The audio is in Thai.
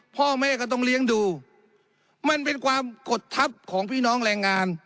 พ่อแม่ก็ต้องเลี้ยงดูมันเป็นความกดทัพของพี่น้องแรงงาน